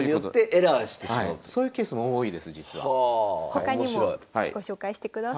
他にもご紹介してください。